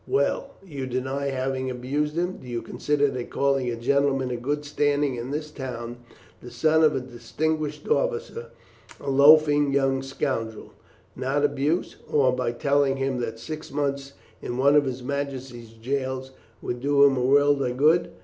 Well, you deny having abused him. Do you consider that calling a gentleman of good standing in this town, the son of a distinguished officer, a loafing young scoundrel, not abuse; or by telling him that six months in one of His Majesty's jails would do him a world of good?"